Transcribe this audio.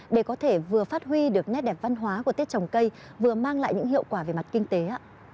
để có thể vừa phát huy được nét đẹp văn hóa của tết trồng cây vừa mang lại những hiệu quả về mặt kinh tế ạ